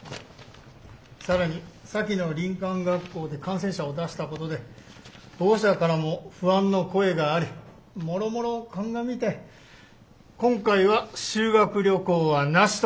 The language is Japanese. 更に先の林間学校で感染者を出したことで保護者からも不安の声がありもろもろ鑑みて今回は修学旅行はなしと。